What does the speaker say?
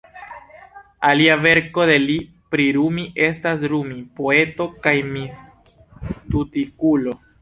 Alia verko de li pri Rumi estas: Rumi, poeto kaj mistikulo.